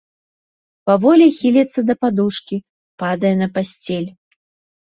Паволі хіліцца да падушкі, падае на пасцель.